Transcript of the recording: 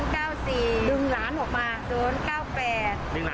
ดึงหลานทีนึกวิ่งเลย